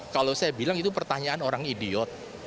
kalau saya bilang itu pertanyaan orang idiot